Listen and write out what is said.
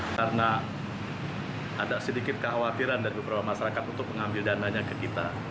karena ada sedikit kekhawatiran dari beberapa masyarakat untuk mengambil dananya ke kita